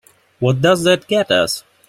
What does that get us?